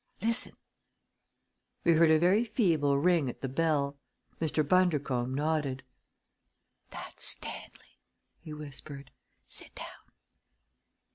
Listen!" We heard a very feeble ring at the bell. Mr. Bundercombe nodded. "That's Stanley," he whispered. "Sit down!"